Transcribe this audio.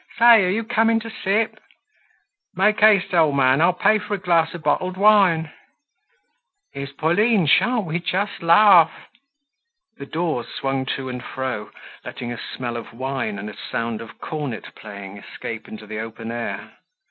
"Say, are you coming to sip?" "Make haste, old man; I'll pay for a glass of bottled wine." "Here's Pauline! Shan't we just laugh!" The doors swung to and fro, letting a smell of wine and a sound of cornet playing escape into the open air.